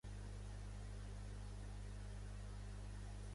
Sembla que han canviat d'una llengua extingida al somali.